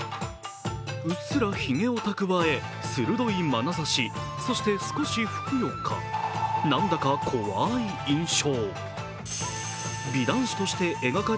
うっすらひげをたくわえ鋭いまなざし、そして少しふくよかなんだか怖い印象。